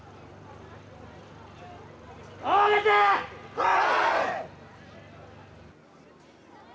はい！